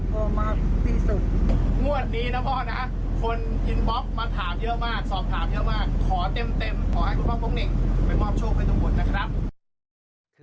ขอเต็มขอให้คุณพ่อปกรุงนิ่งไปมอบโชคให้ตัวหมดนะครับ